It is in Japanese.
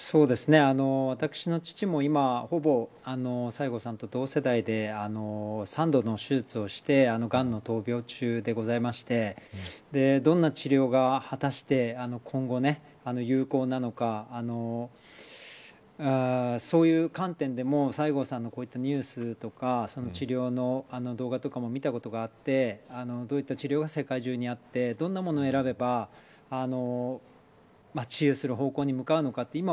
私の父も今、ほぼ西郷さんと同世代で３度の手術をしてがんの闘病中でございましてどんな治療が、果たして今後、有効なのかそういう観点でも、西郷さんのこういったニュースとか治療の動画とかも見たことがあってどういった治療が世界中にあってどんなものを選べば治癒する方向に向かうのかって